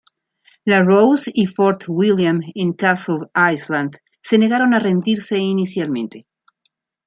La Rose y Fort William en Castle Island se negaron a rendirse inicialmente.